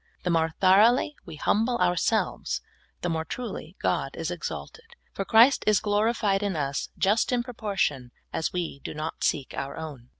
The more thoroughly we humble ourselves, the more truly God is exalted, for, Christ is glorified in us just in proportion as we do not seek our own.